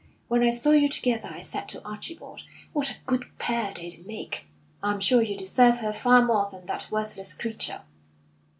When I saw you together I said to Archibald: 'What a good pair they'd make!' I'm sure you deserve her far more than that worthless creature."